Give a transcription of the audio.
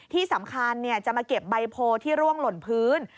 ที่สำคัญจะมาเก็บใบโพที่ร่วงหล่นพื้น